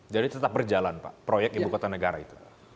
jadi tetap berjalan pak proyek ibu kota negara itu